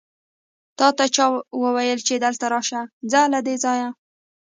تاته چا وويل چې دلته راشه؟ ځه له دې ځايه!